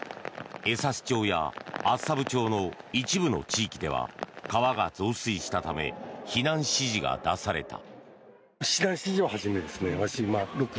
江差町や厚沢部町の一部の地域では川が増水したため避難指示が出された。